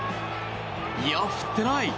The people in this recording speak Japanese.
いや振ってない！